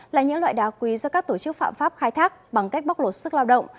là những loại đá quý do các tổ chức phạm pháp khai thác bằng cách bóc lột sức lao động